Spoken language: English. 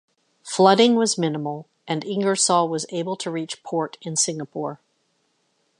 Flooding was minimal and "Ingersoll" was able to reach port in Singapore.